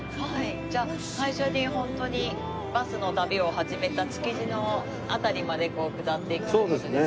じゃあ最初にホントにバスの旅を始めた築地の辺りまで下っていくって事ですよね。